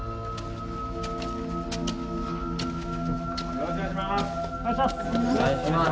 よろしくお願いします。